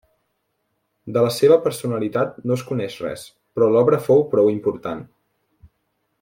De la seva personalitat no es coneix res però l'obra fou prou important.